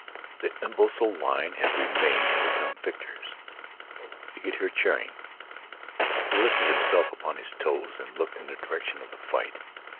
The imbecile line had remained and become victors. He could hear cheering. He lifted himself upon his toes and looked in the direction of the fight.